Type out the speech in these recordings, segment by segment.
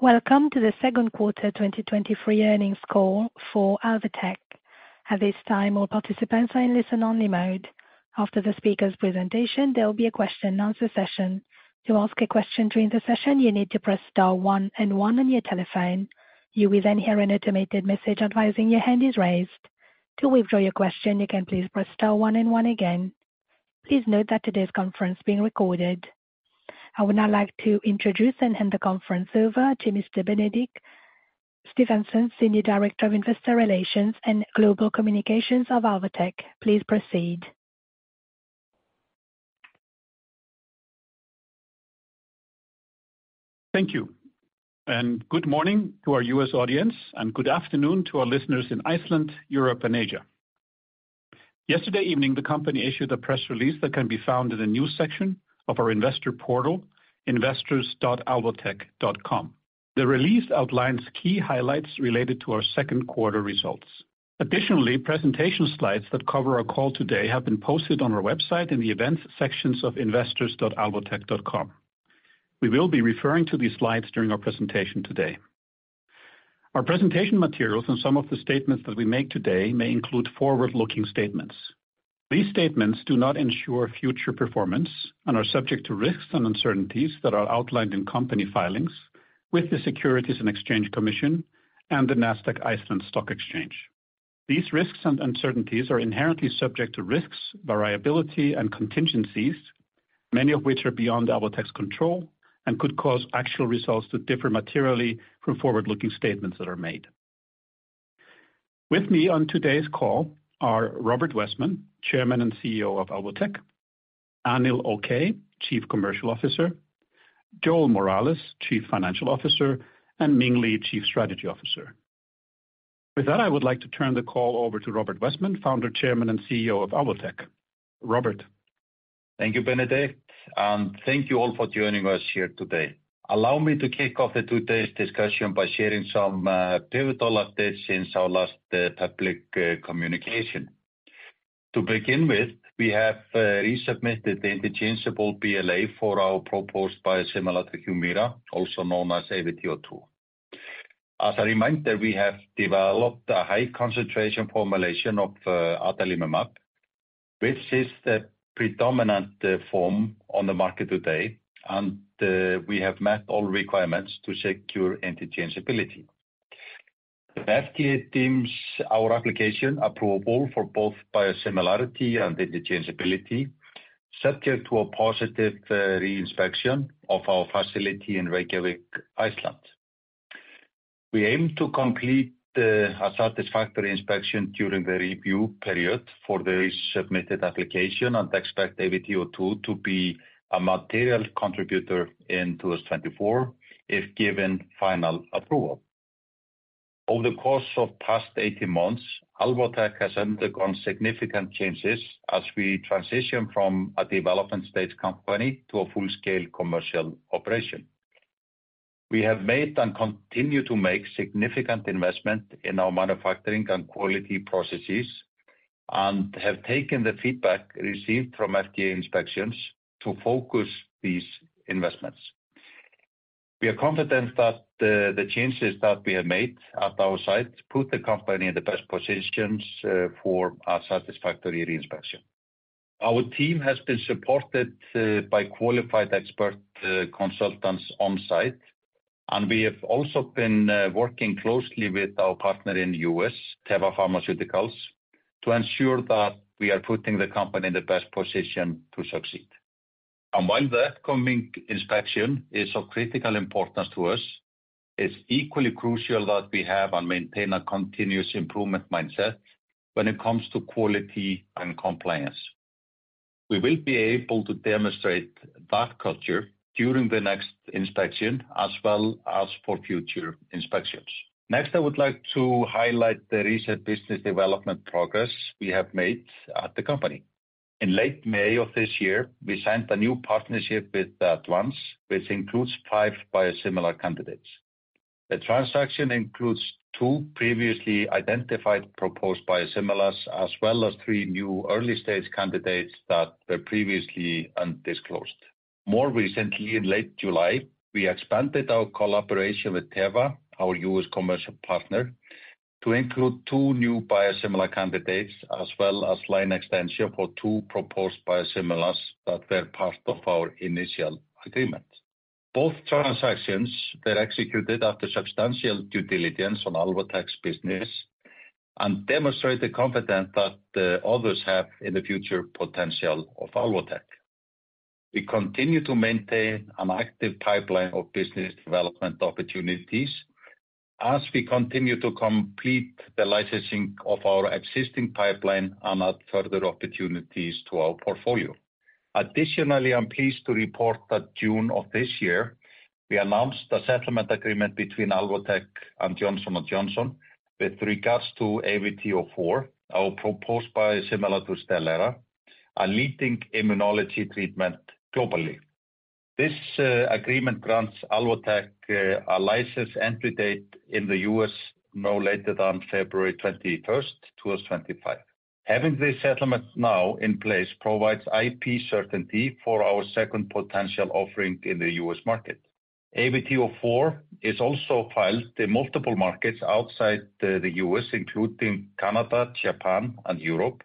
Welcome to the second quarter 2023 earnings call for Alvotech. At this time, all participants are in listen-only mode. After the speaker's presentation, there will be a question and answer session. To ask a question during the session, you need to press star one and one on your telephone. You will then hear an automated message advising your hand is raised. To withdraw your question, you can please press star one and one again. Please note that today's conference is being recorded. I would now like to introduce and hand the conference over to Mr. Benedikt Stefansson, Senior Director of Investor Relations and Global Communications of Alvotech. Please proceed. Thank you, and good morning to our U.S. audience, and good afternoon to our listeners in Iceland, Europe, and Asia. Yesterday evening, the company issued a press release that can be found in the news section of our investor portal, investors.alvotech.com. The release outlines key highlights related to our second quarter results. Additionally, presentation slides that cover our call today have been posted on our website in the events sections of investors.alvotech.com. We will be referring to these slides during our presentation today. Our presentation materials and some of the statements that we make today may include forward-looking statements. These statements do not ensure future performance and are subject to risks and uncertainties that are outlined in company filings with the Securities and Exchange Commission and the Nasdaq Iceland Stock Exchange. These risks and uncertainties are inherently subject to risks, variability, and contingencies, many of which are beyond Alvotech's control and could cause actual results to differ materially from forward-looking statements that are made. With me on today's call are Róbert Wessman, Chairman and CEO of Alvotech, Anil Okay, Chief Commercial Officer, Joel Morales, Chief Financial Officer, and Ming Li, Chief Strategy Officer. With that, I would like to turn the call over to Róbert Wessman, Founder, Chairman, and CEO of Alvotech. Robert? Thank you, Benedikt, and thank you all for joining us here today. Allow me to kick off today's discussion by sharing some pivotal updates since our last public communication. To begin with, we have resubmitted the interchangeable BLA for our proposed biosimilar to HUMIRA, also known as AVT-02. As a reminder, we have developed a high concentration formulation of adalimumab, which is the predominant form on the market today, and we have met all requirements to secure interchangeability. The FDA deems our application approvable for both biosimilarity and interchangeability, subject to a positive reinspection of our facility in Reykjavik, Iceland. We aim to complete a satisfactory inspection during the review period for the resubmitted application and expect AVT-02 to be a material contributor in 2024, if given final approval. Over the course of the past 18 months, Alvotech has undergone significant changes as we transition from a development stage company to a full-scale commercial operation. We have made and continue to make significant investment in our manufacturing and quality processes and have taken the feedback received from FDA inspections to focus these investments. We are confident that the changes that we have made at our site put the company in the best positions for a satisfactory reinspection. Our team has been supported by qualified expert consultants on site, and we have also been working closely with our partner in the U.S., Teva Pharmaceuticals, to ensure that we are putting the company in the best position to succeed. While the upcoming inspection is of critical importance to us, it's equally crucial that we have and maintain a continuous improvement mindset when it comes to quality and compliance. We will be able to demonstrate that culture during the next inspection as well as for future inspections. Next, I would like to highlight the recent business development progress we have made at the company. In late May of this year, we signed a new partnership with Advanz, which includes five biosimilar candidates. The transaction includes two previously identified proposed biosimilars, as well as three new early-stage candidates that were previously undisclosed. More recently, in late July, we expanded our collaboration with Teva, our U.S. commercial partner, to include two new biosimilar candidates as well as line extension for two proposed biosimilars that were part of our initial agreement. Both transactions were executed after substantial due diligence on Alvotech's business and demonstrate the confidence that others have in the future potential of Alvotech. We continue to maintain an active pipeline of business development opportunities as we continue to complete the licensing of our existing pipeline and add further opportunities to our portfolio. Additionally, I'm pleased to report that June of this year, we announced a settlement agreement between Alvotech and Johnson & Johnson with regards to AVT-04, our proposed biosimilar to STELARA, a leading immunology treatment globally. This agreement grants Alvotech a license entry date in the U.S., no later than February 21, 2025. Having this settlement now in place provides IP certainty for our second potential offering in the U.S. market. AVT-04 is also filed in multiple markets outside the U.S., including Canada, Japan, and Europe,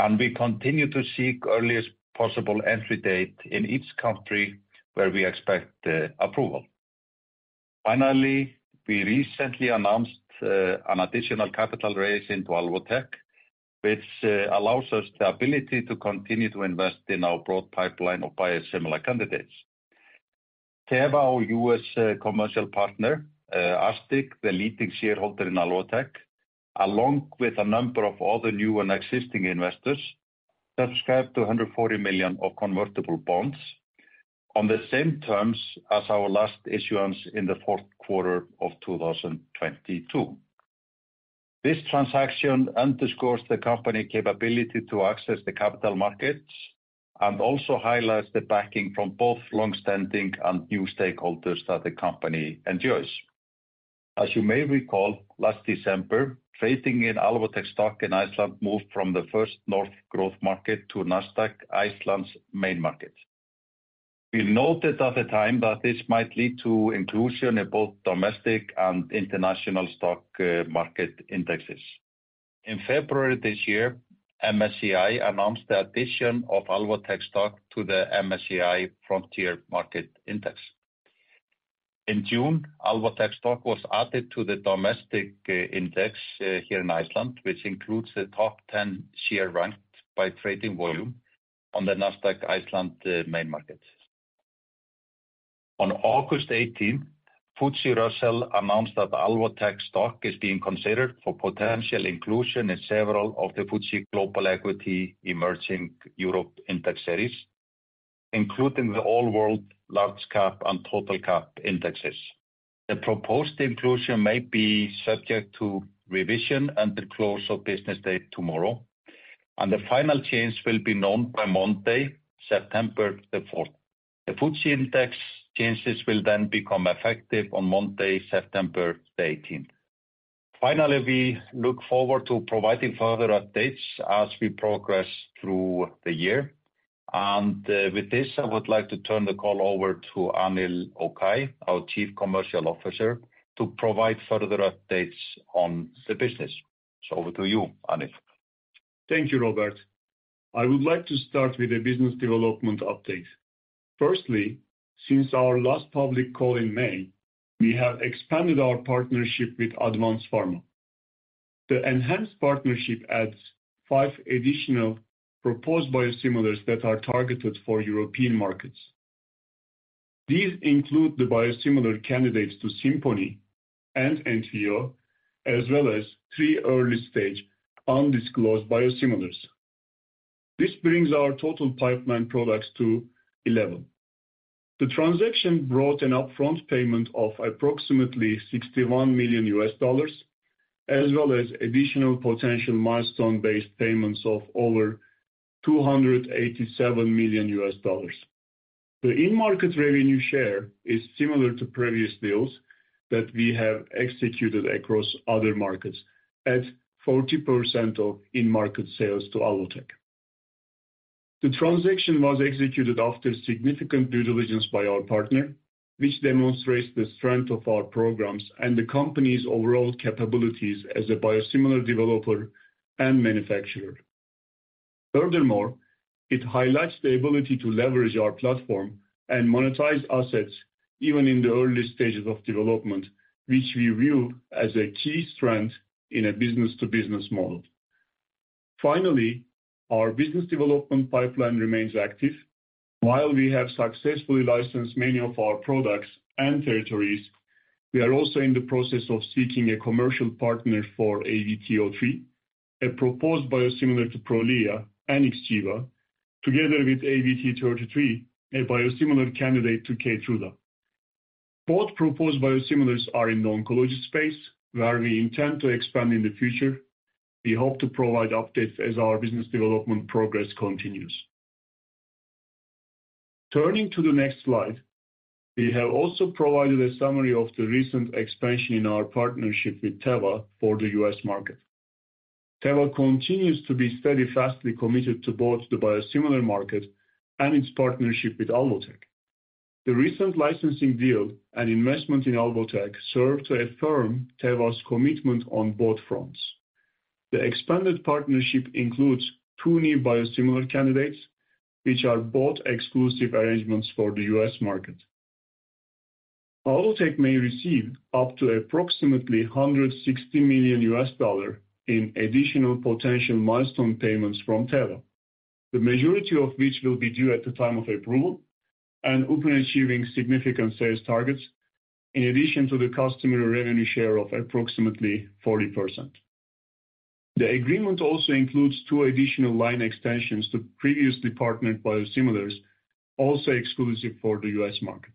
and we continue to seek earliest possible entry date in each country where we expect approval. Finally, we recently announced an additional capital raise into Alvotech, which allows us the ability to continue to invest in our broad pipeline of biosimilar candidates. Teva, our U.S. commercial partner, Aztiq, the leading shareholder in Alvotech, along with a number of other new and existing investors, subscribed to $140 million of convertible bonds on the same terms as our last issuance in the fourth quarter of 2022. This transaction underscores the company capability to access the capital markets, and also highlights the backing from both longstanding and new stakeholders that the company enjoys. As you may recall, last December, trading in Alvotech stock in Iceland moved from the First North Growth Market to Nasdaq Iceland's Main Market. We noted at the time that this might lead to inclusion in both domestic and international stock market indexes. In February this year, MSCI announced the addition of Alvotech stock to the MSCI Frontier Markets Index. In June, Alvotech stock was added to the domestic index here in Iceland, which includes the top 10 share ranked by trading volume on the Nasdaq Iceland main market. On August 18, FTSE Russell announced that the Alvotech stock is being considered for potential inclusion in several of the FTSE Global Equity Emerging Europe Index Series, including the All-World, Large Cap, and Total Cap indexes. The proposed inclusion may be subject to revision and the close of business date tomorrow, and the final change will be known by Monday, September 4th. The FTSE index changes will then become effective on Monday, September 18th. Finally, we look forward to providing further updates as we progress through the year. And, with this, I would like to turn the call over to Anil Okay, our Chief Commercial Officer, to provide further updates on the business. So over to you, Anil. Thank you, Robert. I would like to start with a business development update. Firstly, since our last public call in May, we have expanded our partnership with Advanz Pharma. The enhanced partnership adds 5 additional proposed biosimilars that are targeted for European markets. These include the biosimilar candidates to Simponi and Entyvio, as well as three early-stage undisclosed biosimilars. This brings our total pipeline products to 11. The transaction brought an upfront payment of approximately $61 million, as well as additional potential milestone-based payments of over $287 million. The in-market revenue share is similar to previous deals that we have executed across other markets at 40% of in-market sales to Alvotech. The transaction was executed after significant due diligence by our partner, which demonstrates the strength of our programs and the company's overall capabilities as a biosimilar developer and manufacturer. Furthermore, it highlights the ability to leverage our platform and monetize assets, even in the early stages of development, which we view as a key strength in a business-to-business model. Finally, our business development pipeline remains active. While we have successfully licensed many of our products and territories, we are also in the process of seeking a commercial partner for AVT-03, a proposed biosimilar to Prolia and Xgeva, together with AVT-03, a biosimilar candidate to Keytruda. Both proposed biosimilars are in the oncology space, where we intend to expand in the future. We hope to provide updates as our business development progress continues. Turning to the next slide, we have also provided a summary of the recent expansion in our partnership with Teva for the U.S. market. Teva continues to be steadfastly committed to both the biosimilar market and its partnership with Alvotech. The recent licensing deal and investment in Alvotech serve to affirm Teva's commitment on both fronts. The expanded partnership includes two new biosimilar candidates, which are both exclusive arrangements for the U.S. market. Alvotech may receive up to approximately $160 million in additional potential milestone payments from Teva, the majority of which will be due at the time of approval and upon achieving significant sales targets, in addition to the customer revenue share of approximately 40%. The agreement also includes two additional line extensions to previously partnered biosimilars, also exclusive for the U.S. market.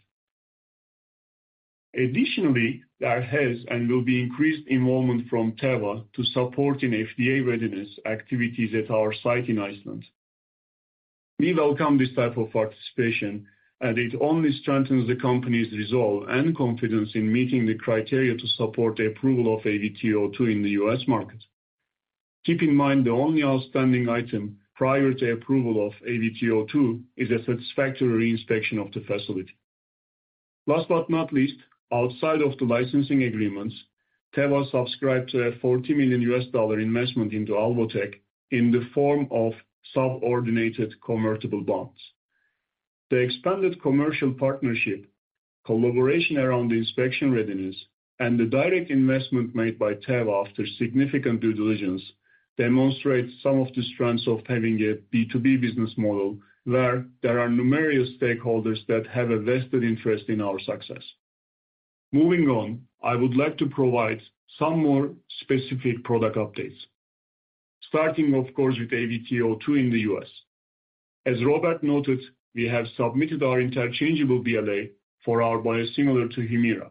Additionally, there has and will be increased involvement from Teva to support in FDA readiness activities at our site in Iceland. We welcome this type of participation, and it only strengthens the company's resolve and confidence in meeting the criteria to support the approval of AVT-02 in the U.S. market. Keep in mind, the only outstanding item prior to approval of AVT-02 is a satisfactory reinspection of the facility. Last but not least, outside of the licensing agreements, Teva subscribed to a $40 million investment into Alvotech in the form of subordinated convertible bonds. The expanded commercial partnership, collaboration around the inspection readiness, and the direct investment made by Teva after significant due diligence, demonstrates some of the strengths of having a B2B business model, where there are numerous stakeholders that have a vested interest in our success. Moving on, I would like to provide some more specific product updates, starting, of course, with AVT-02 in the U.S. As Robert noted, we have submitted our interchangeable BLA for our biosimilar to HUMIRA.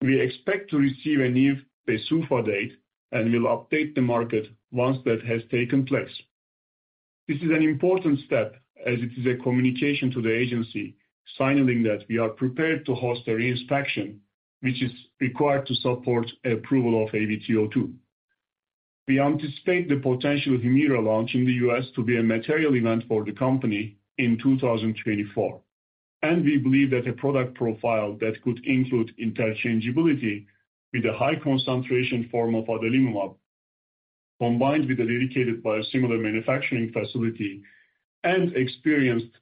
We expect to receive a new PDUFA date, and we'll update the market once that has taken place. This is an important step as it is a communication to the agency, signaling that we are prepared to host a reinspection, which is required to support approval of AVT-02. We anticipate the potential HUMIRA launch in the U.S. to be a material event for the company in 2024, and we believe that a product profile that could include interchangeability with a high concentration form of adalimumab, combined with a dedicated biosimilar manufacturing facility and experienced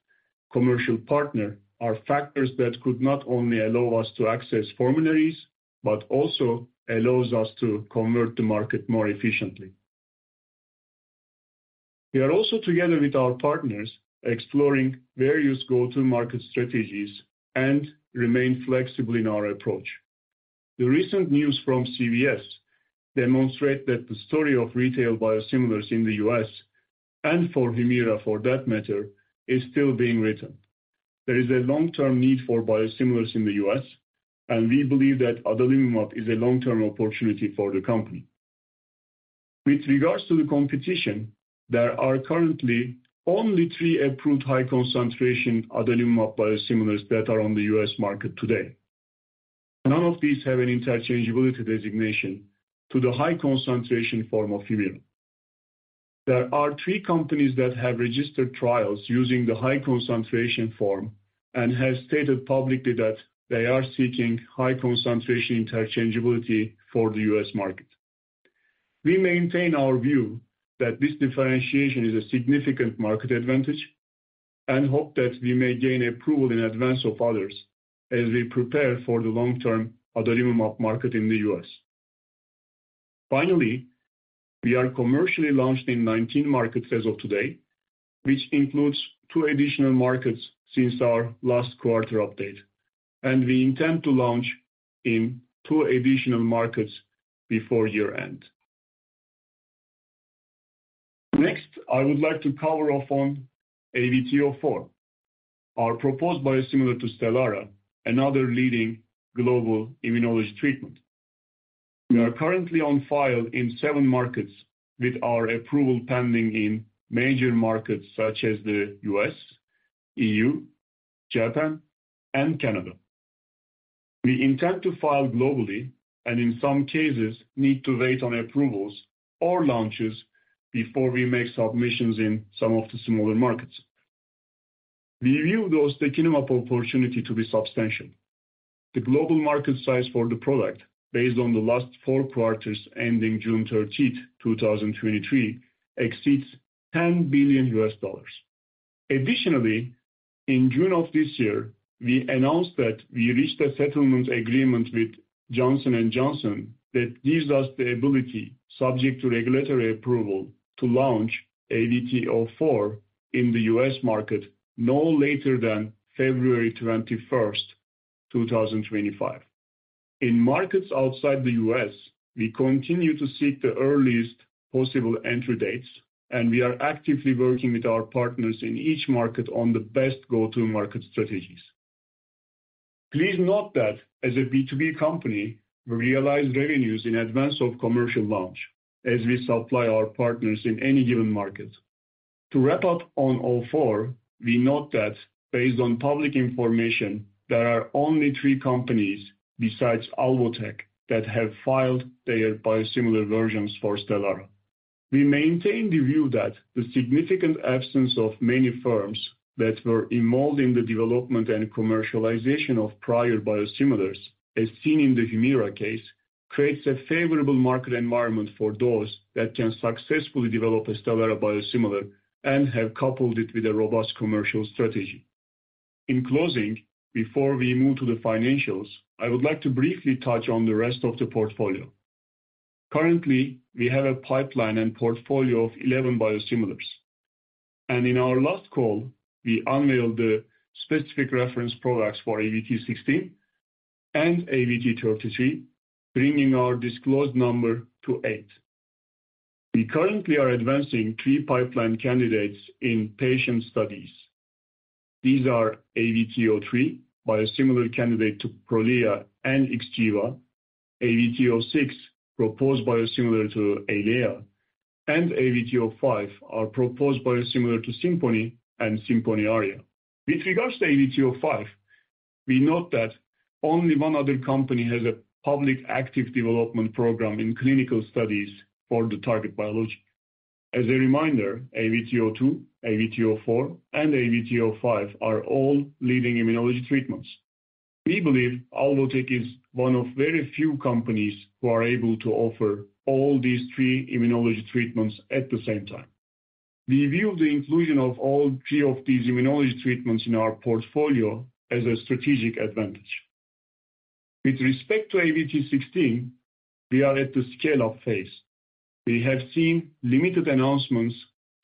commercial partner, are factors that could not only allow us to access formularies, but also allows us to convert the market more efficiently. We are also, together with our partners, exploring various go-to-market strategies and remain flexible in our approach. The recent news from CVS demonstrate that the story of retail biosimilars in the U.S., and for HUMIRA, for that matter, is still being written. There is a long-term need for biosimilars in the U.S., and we believe that adalimumab is a long-term opportunity for the company. With regards to the competition, there are currently only three approved high-concentration adalimumab biosimilars that are on the U.S. market today. None of these have an interchangeability designation to the high-concentration form of HUMIRA. There are three companies that have registered trials using the high-concentration form and have stated publicly that they are seeking high-concentration interchangeability for the U.S. market. We maintain our view that this differentiation is a significant market advantage and hope that we may gain approval in advance of others as we prepare for the long-term adalimumab market in the U.S. Finally, we are commercially launched in 19 markets as of today, which includes two additional markets since our last quarter update, and we intend to launch in two additional markets before year-end. Next, I would like to cover off on AVT-04, our proposed biosimilar to STELARA, another leading global immunology treatment. We are currently on file in seven markets, with our approval pending in major markets such as the U.S., E.U., Japan, and Canada. We intend to file globally, and in some cases, need to wait on approvals or launches before we make submissions in some of the smaller markets. We view the ustekinumab opportunity to be substantial. The global market size for the product, based on the last four quarters ending June 13, 2023, exceeds $10 billion. Additionally, in June of this year, we announced that we reached a settlement agreement with Johnson & Johnson that gives us the ability, subject to regulatory approval, to launch AVT-04 in the U.S. market no later than February 21, 2025. In markets outside the U.S., we continue to seek the earliest possible entry dates, and we are actively working with our partners in each market on the best go-to-market strategies. Please note that as a B2B company, we realize revenues in advance of commercial launch as we supply our partners in any given market. To wrap up on all four, we note that based on public information, there are only three companies besides Alvotech that have filed their biosimilar versions for STELARA. We maintain the view that the significant absence of many firms that were involved in the development and commercialization of prior biosimilars, as seen in the HUMIRA case, creates a favorable market environment for those that can successfully develop a STELARA biosimilar and have coupled it with a robust commercial strategy. In closing, before we move to the financials, I would like to briefly touch on the rest of the portfolio. Currently, we have a pipeline and portfolio of 11 biosimilars, and in our last call, we unveiled the specific reference products for AVT-16 and AVT-33, bringing our disclosed number to eight. We currently are advancing three pipeline candidates in patient studies. These are AVT-03, biosimilar candidate to Prolia and Xgeva, AVT-06, proposed biosimilar to Eylea, and AVT-05, our proposed biosimilar to Simponi and Simponi Aria. With regards to AVT-05, we note that only one other company has a public active development program in clinical studies for the target biology. As a reminder, AVT-02, AVT-04, and AVT-05 are all leading immunology treatments. We believe Alvotech is one of very few companies who are able to offer all these three immunology treatments at the same time. We view the inclusion of all three of these immunology treatments in our portfolio as a strategic advantage. With respect to AVT-16, we are at the scale-up phase. We have seen limited announcements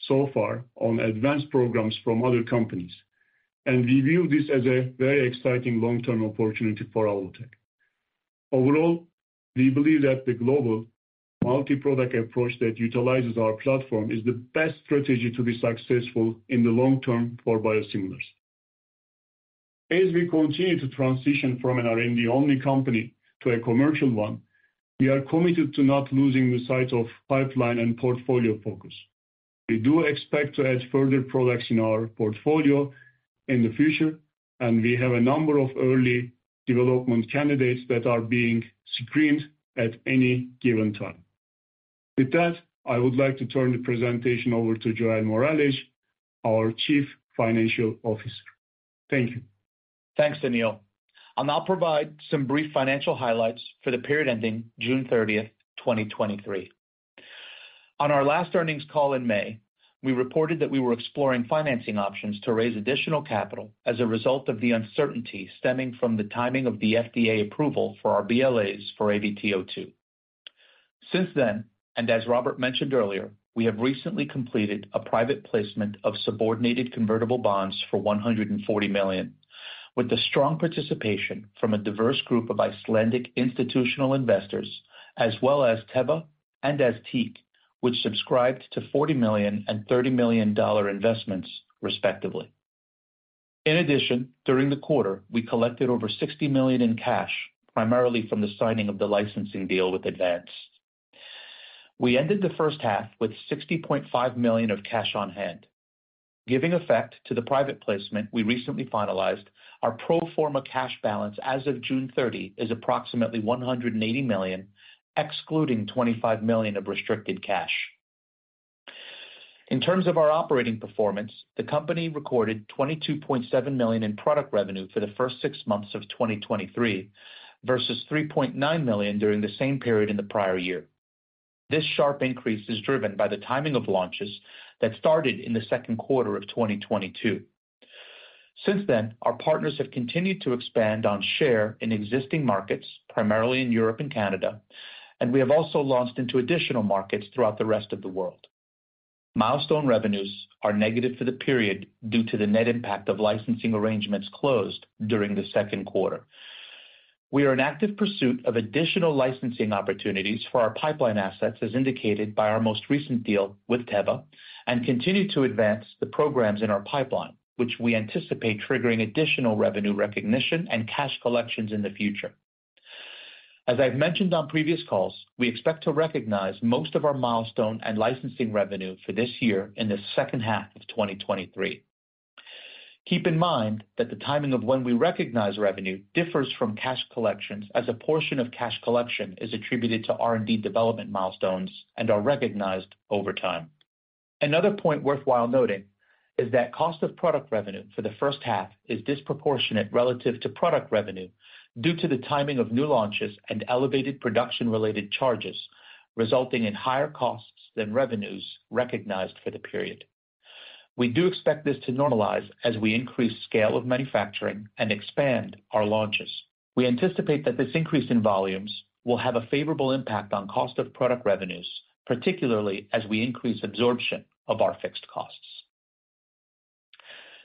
so far on advanced programs from other companies, and we view this as a very exciting long-term opportunity for Alvotech. Overall, we believe that the global multi-product approach that utilizes our platform is the best strategy to be successful in the long term for biosimilars. As we continue to transition from an R&D-only company to a commercial one, we are committed to not losing the sight of pipeline and portfolio focus. We do expect to add further products in our portfolio in the future, and we have a number of early development candidates that are being screened at any given time. With that, I would like to turn the presentation over to Joel Morales, our Chief Financial Officer. Thank you. Thanks, Anil. I'll now provide some brief financial highlights for the period ending June 30, 2023. On our last earnings call in May, we reported that we were exploring financing options to raise additional capital as a result of the uncertainty stemming from the timing of the FDA approval for our BLAs for AVT-02. Since then, and as Robert mentioned earlier, we have recently completed a private placement of subordinated convertible bonds for $140 million, with the strong participation from a diverse group of Icelandic institutional investors, as well as Teva and Aztiq, which subscribed to $40 million and $30 million dollar investments, respectively. In addition, during the quarter, we collected over $60 million in cash, primarily from the signing of the licensing deal with Advanz. We ended the first half with $60.5 million of cash on hand. Giving effect to the private placement we recently finalized, our pro forma cash balance as of June 30 is approximately $180 million, excluding $25 million of restricted cash. In terms of our operating performance, the company recorded $22.7 million in product revenue for the first six months of 2023, versus $3.9 million during the same period in the prior year. This sharp increase is driven by the timing of launches that started in the second quarter of 2022. Since then, our partners have continued to expand on share in existing markets, primarily in Europe and Canada, and we have also launched into additional markets throughout the rest of the world. Milestone revenues are negative for the period due to the net impact of licensing arrangements closed during the second quarter. We are in active pursuit of additional licensing opportunities for our pipeline assets, as indicated by our most recent deal with Teva, and continue to advance the programs in our pipeline, which we anticipate triggering additional revenue recognition and cash collections in the future. As I've mentioned on previous calls, we expect to recognize most of our milestone and licensing revenue for this year in the second half of 2023. Keep in mind that the timing of when we recognize revenue differs from cash collections, as a portion of cash collection is attributed to R&D development milestones and are recognized over time. Another point worth noting is that cost of product revenue for the first half is disproportionate relative to product revenue due to the timing of new launches and elevated production-related charges, resulting in higher costs than revenues recognized for the period. We do expect this to normalize as we increase scale of manufacturing and expand our launches. We anticipate that this increase in volumes will have a favorable impact on cost of product revenues, particularly as we increase absorption of our fixed costs.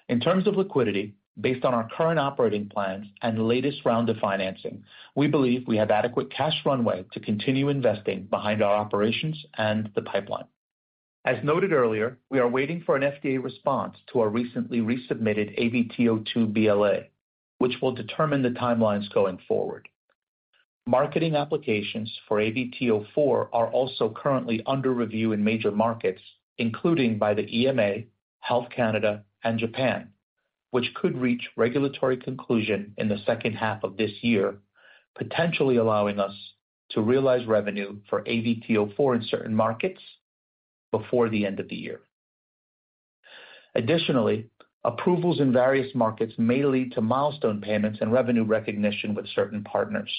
In terms of liquidity, based on our current operating plans and latest round of financing, we believe we have adequate cash runway to continue investing behind our operations and the pipeline. As noted earlier, we are waiting for an FDA response to our recently resubmitted AVT-02 BLA, which will determine the timelines going forward. Marketing applications for AVT-04 are also currently under review in major markets, including by the EMA, Health Canada, and Japan, which could reach regulatory conclusion in the second half of this year, potentially allowing us to realize revenue for AVT-04 in certain markets before the end of the year. Additionally, approvals in various markets may lead to milestone payments and revenue recognition with certain partners.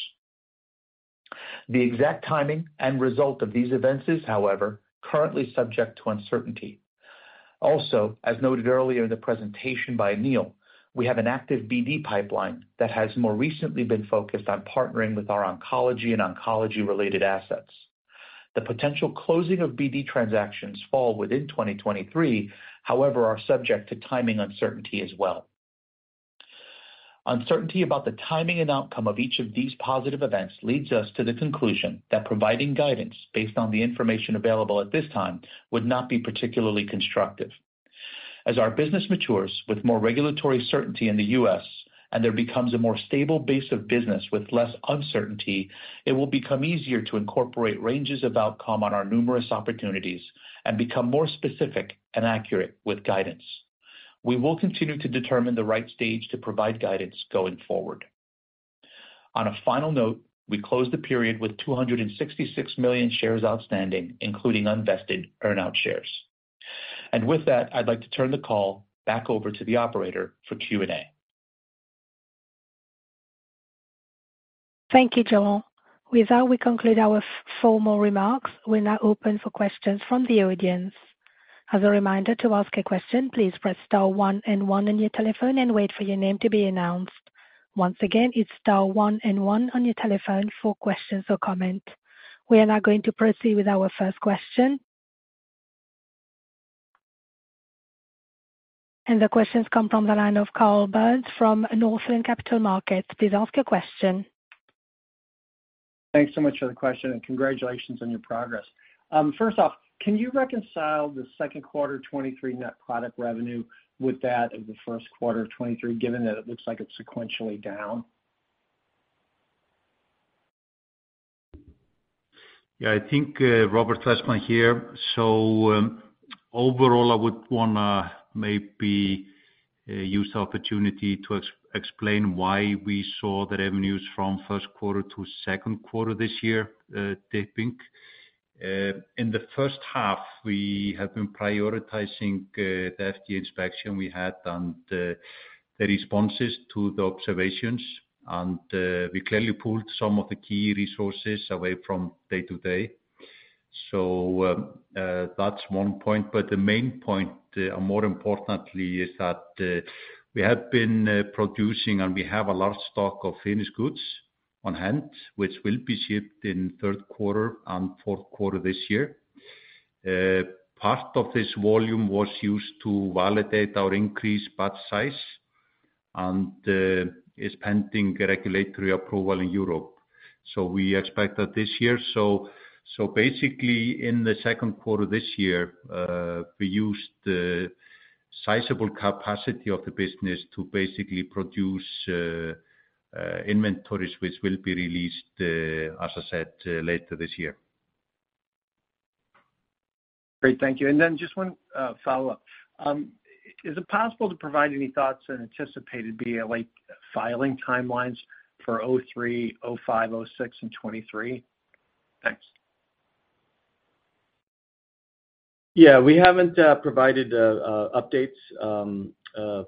The exact timing and result of these events is, however, currently subject to uncertainty. Also, as noted earlier in the presentation by Anil, we have an active BD pipeline that has more recently been focused on partnering with our oncology and oncology-related assets. The potential closing of BD transactions fall within 2023, however, are subject to timing uncertainty as well. Uncertainty about the timing and outcome of each of these positive events leads us to the conclusion that providing guidance based on the information available at this time would not be particularly constructive. As our business matures with more regulatory certainty in the U.S., and there becomes a more stable base of business with less uncertainty, it will become easier to incorporate ranges of outcome on our numerous opportunities and become more specific and accurate with guidance. We will continue to determine the right stage to provide guidance going forward. On a final note, we closed the period with 266 million shares outstanding, including unvested earn-out shares. And with that, I'd like to turn the call back over to the operator for Q&A. Thank you, Joel. With that, we conclude our formal remarks. We're now open for questions from the audience. As a reminder, to ask a question, please press star one and one on your telephone and wait for your name to be announced. Once again, it's star one and one on your telephone for questions or comments. We are now going to proceed with our first question. The questions come from the line of Carl Byrnes from Northland Capital Markets. Please ask your question. Thanks so much for the question, and congratulations on your progress. First off, can you reconcile the second quarter 2023 net product revenue with that of the first quarter of 2023, given that it looks like it's sequentially down? Yeah, I think, Róbert Wessman here. So, overall, I would wanna maybe use the opportunity to explain why we saw the revenues from first quarter to second quarter this year, dipping. In the first half, we have been prioritizing the FDA inspection we had and the responses to the observations, and we clearly pulled some of the key resources away from day to day. So, that's one point, but the main point, more importantly, is that we have been producing, and we have a large stock of finished goods on hand, which will be shipped in third quarter and fourth quarter this year. Part of this volume was used to validate our increased batch size, and is pending regulatory approval in Europe. So we expect that this year. So basically, in the second quarter this year, we used the sizable capacity of the business to basically produce inventories, which will be released, as I said, later this year. Great. Thank you. And then just one follow-up. Is it possible to provide any thoughts and anticipated BLA filing timelines for O3, O5, O6 in 2023? Thanks. Yeah, we haven't provided updates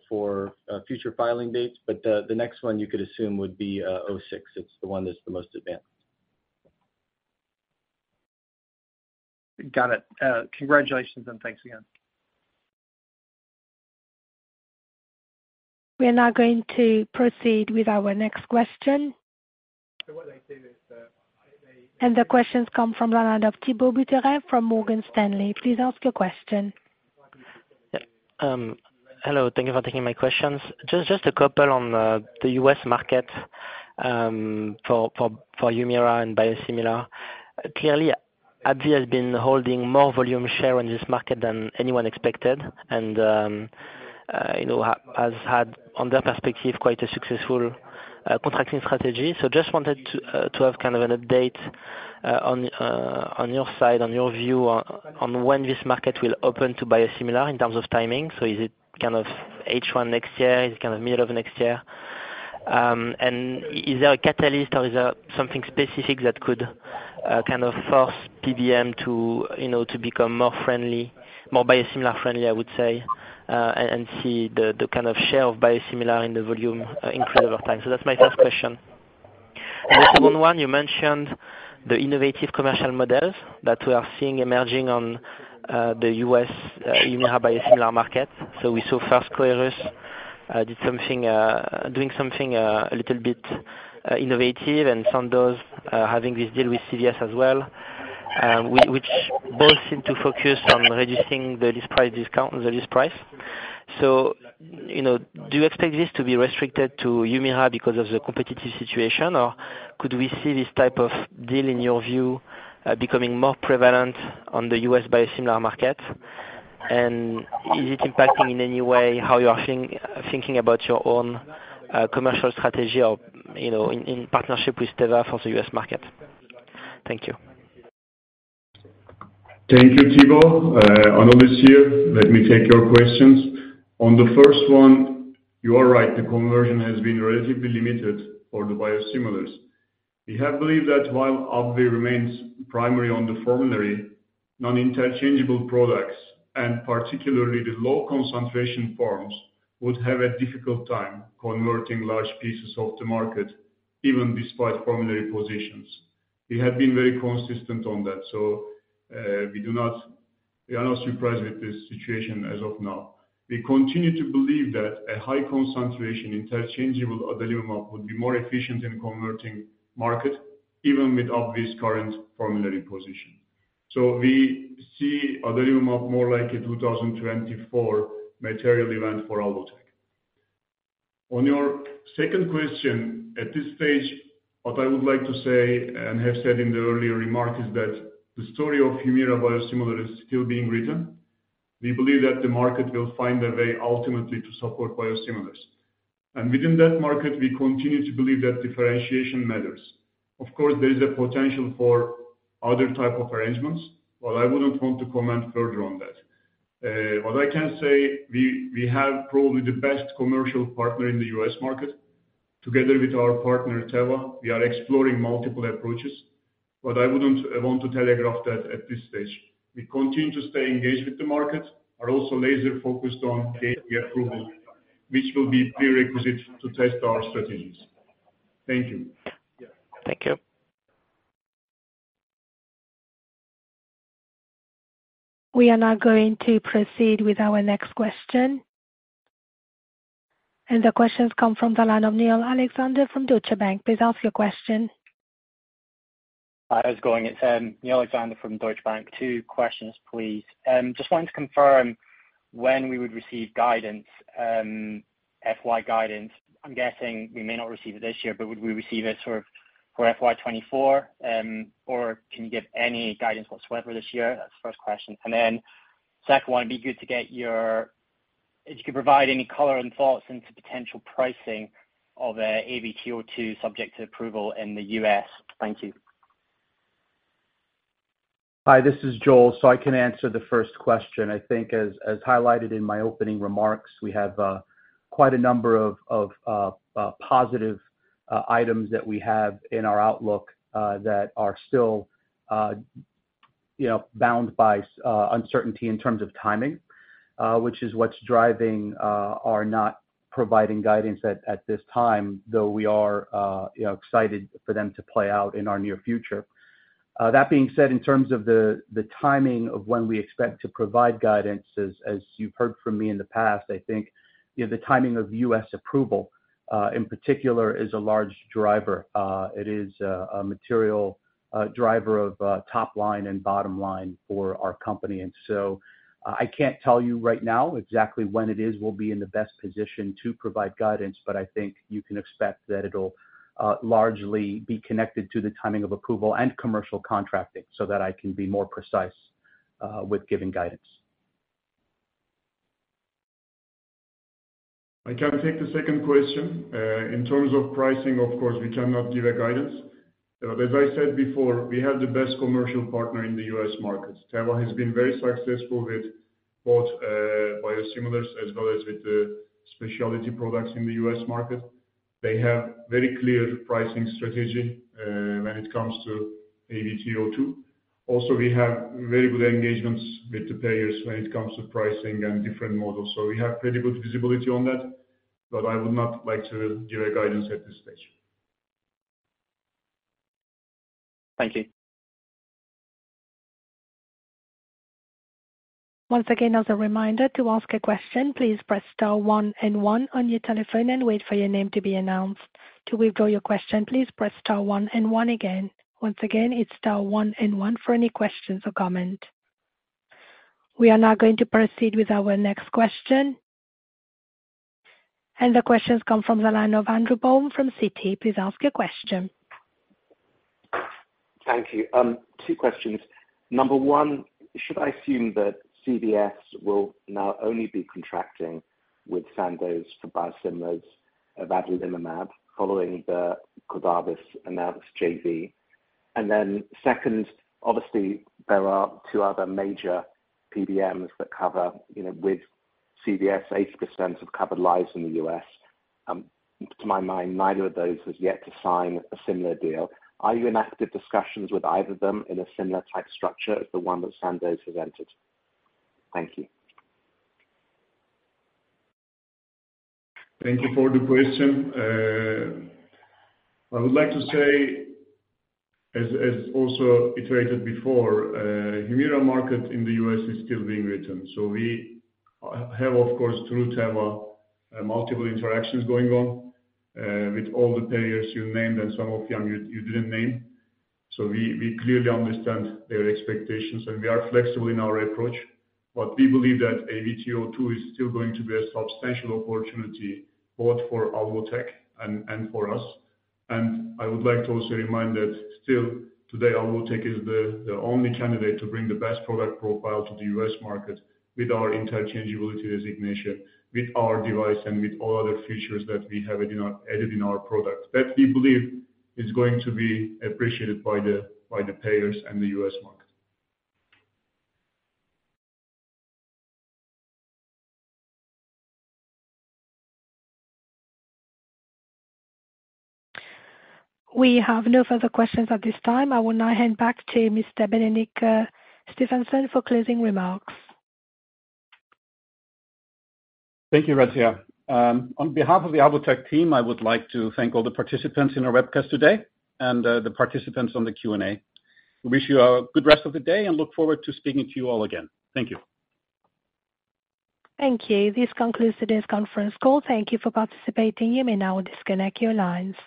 for future filing dates, but the next one you could assume would be AVT-06. It's the one that's the most advanced. Got it. Congratulations, and thanks again. We are now going to proceed with our next question. So what they do is that they- The questions come from the line of Thibault Boutherin from Morgan Stanley. Please ask your question. Yep. Hello, thank you for taking my questions. Just a couple on the U.S. market for HUMIRA and biosimilar. Clearly, AbbVie has been holding more volume share on this market than anyone expected, and you know has had, on their perspective, quite a successful contracting strategy. So just wanted to have kind of an update on your side, on your view on when this market will open to biosimilar in terms of timing. So is it kind of H1 next year? Is it kind of middle of next year? And is there a catalyst or is there something specific that could kind of force PBM to, you know, to become more friendly, more biosimilar friendly, I would say, and see the kind of share of biosimilar in the volume increase over time? So that's my first question. And the second one, you mentioned the innovative commercial models that we are seeing emerging on the U.S. HUMIRA biosimilar market. So we saw first Coherus did something a little bit innovative and Sandoz having this deal with CVS as well, which both seem to focus on reducing the list price discount and the list price. So, you know, do you expect this to be restricted to HUMIRA because of the competitive situation, or could we see this type of deal, in your view, becoming more prevalent on the U.S. biosimilar market? And is it impacting in any way how you are thinking about your own commercial strategy or, you know, in partnership with Teva for the U.S. market? Thank you. Thank you, Thibault. Anil here. Let me take your questions. On the first one, you are right, the conversion has been relatively limited for the biosimilars. We have believed that while AbbVie remains primary on the formulary, non-interchangeable products, and particularly the low concentration forms, would have a difficult time converting large pieces of the market, even despite formulary positions. We have been very consistent on that. We are not surprised with this situation as of now. We continue to believe that a high concentration, interchangeable adalimumab would be more efficient in converting market, even with AbbVie's current formulary position.... So we see adalimumab more like a 2024 material event for Alvotech. On your second question, at this stage, what I would like to say and have said in the earlier remark is that the story of HUMIRA biosimilar is still being written. We believe that the market will find a way ultimately to support biosimilars. And within that market, we continue to believe that differentiation matters. Of course, there is a potential for other type of arrangements, but I wouldn't want to comment further on that. What I can say, we have probably the best commercial partner in the U.S. market. Together with our partner, Teva, we are exploring multiple approaches, but I wouldn't want to telegraph that at this stage. We continue to stay engaged with the market, are also laser focused on getting the approval, which will be prerequisite to test our strategies. Thank you. Thank you. We are now going to proceed with our next question. The question come from the line of Niall Alexander from Deutsche Bank. Please ask your question. Hi, how's it going? It's Niall Alexander from Deutsche Bank. Two questions, please. Just wanted to confirm when we would receive guidance, FY guidance. I'm guessing we may not receive it this year, but would we receive it sort of for FY 2024, or can you give any guidance whatsoever this year? That's the first question. And then second one, it'd be good to get your... If you could provide any color and thoughts into potential pricing of AVT-02 subject to approval in the US. Thank you. Hi, this is Joel. So I can answer the first question. I think as highlighted in my opening remarks, we have quite a number of positive items that we have in our outlook, that are still, you know, bound by uncertainty in terms of timing, which is what's driving our not providing guidance at this time. Though we are, you know, excited for them to play out in our near future. That being said, in terms of the timing of when we expect to provide guidance, as you've heard from me in the past, I think, you know, the timing of U.S. approval, in particular, is a large driver. It is a material driver of top line and bottom line for our company. I can't tell you right now exactly when it is, we'll be in the best position to provide guidance, but I think you can expect that it'll largely be connected to the timing of approval and commercial contracting, so that I can be more precise with giving guidance. I can take the second question. In terms of pricing, of course, we cannot give a guidance. As I said before, we have the best commercial partner in the U.S. market. Teva has been very successful with both, biosimilars, as well as with the specialty products in the U.S. market. They have very clear pricing strategy, when it comes to AVT-02. Also, we have very good engagements with the payers when it comes to pricing and different models. So we have pretty good visibility on that, but I would not like to give a guidance at this stage. Thank you. Once again, as a reminder, to ask a question, please press star one and one on your telephone and wait for your name to be announced. To withdraw your question, please press star one and one again. Once again, it's star one and one for any questions or comment. We are now going to proceed with our next question. The question's come from the line of Andrew Baum from Citi. Please ask your question. Thank you. Two questions. Number one, should I assume that CVS will now only be contracting with Sandoz for biosimilars of adalimumab, following the Coherus announced JV? And then second, obviously, there are two other major PBMs that cover, you know, with CVS, 80% of covered lives in the U.S. To my mind, neither of those has yet to sign a similar deal. Are you in active discussions with either of them in a similar type structure as the one that Sandoz has entered? Thank you. Thank you for the question. I would like to say, as, as also iterated before, HUMIRA market in the U.S. is still being written. So we have, of course, through Teva, multiple interactions going on with all the payers you named and some of them you, you didn't name. So we, we clearly understand their expectations, and we are flexible in our approach. But we believe that AVT-02 is still going to be a substantial opportunity both for Alvotech and, and for us. I would like to also remind that still today, Alvotech is the only candidate to bring the best product profile to the U.S. market with our interchangeability designation, with our device, and with all other features that we have added in our product, that we believe is going to be appreciated by the payers in the U.S. market. We have no further questions at this time. I will now hand back to Mr. Benedikt Stefansson for closing remarks. Thank you, Razia. On behalf of the Alvotech team, I would like to thank all the participants in our webcast today and the participants on the Q&A. We wish you a good rest of the day and look forward to speaking to you all again. Thank you. Thank you. This concludes today's conference call. Thank you for participating. You may now disconnect your lines.